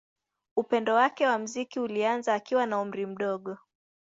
Upendo wake wa muziki ulianza akiwa na umri mdogo.